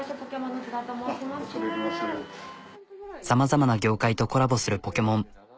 さまざまな業界とコラボするポケモン。